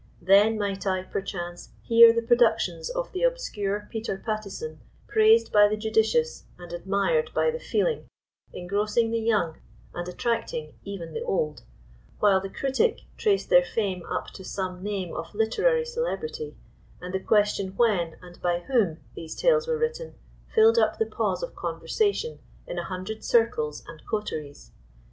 Then might I, perchance, hear the productions of the obscure Peter Pattieson praised by the judicious and admired by the feeling, engrossing the young and attracting even the old; while the critic traced their fame up to some name of literary celebrity, and the question when, and by whom, these tales were written filled up the pause of conversation in a hundred circles and coteries.